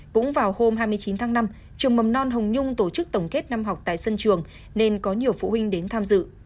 cũng vào hôm hai mươi chín tháng năm trường mầm non hồng nhung tổ chức tổng kết năm học tại sân trường nên có nhiều phụ huynh đến tham dự